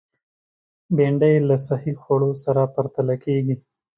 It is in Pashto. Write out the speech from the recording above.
بېنډۍ له صحي خوړو سره پرتله کېږي